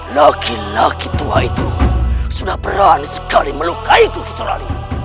laki laki tua itu sudah berani sekali melukai kucur aling